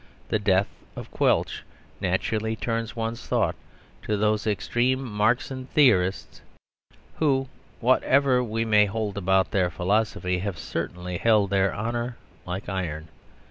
The death of Quelch naturally turns one's thoughts to those extreme Marxian theorists, who, whatever we may hold about their philosophy, have certainly held their honour like iron.